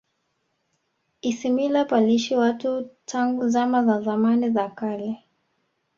ismila paliishi watu tangu zama za zamani za kale